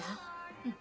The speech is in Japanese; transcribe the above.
うん。